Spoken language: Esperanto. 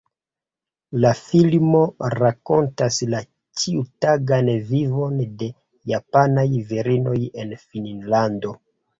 La filmo rakontas la ĉiutagan vivon de japanaj virinoj en Finnlando.